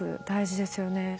大事ですよね。